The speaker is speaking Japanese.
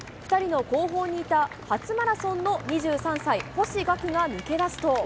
２人の後方にいた初マラソンの２３歳、星岳が抜け出すと。